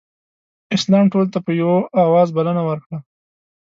اسلام ټولو ته په یوه اواز بلنه ورکړه.